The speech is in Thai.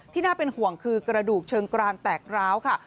น่าเป็นห่วงคือกระดูกเชิงกรานแตกร้าวค่ะ